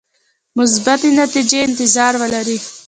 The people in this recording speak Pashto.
مثبتې نتیجې انتظار ولري.